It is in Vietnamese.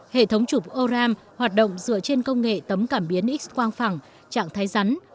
hệ thống chụp oram hoạt động dựa trên công nghệ tấm cảm biến x quang phẳng trạng thái rắn